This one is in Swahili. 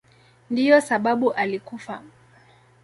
Ndiyo sababu alikufa.